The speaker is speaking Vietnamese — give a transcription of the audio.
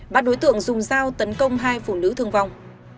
ba đối tượng dùng dao tấn công hai phụ nữ thương vong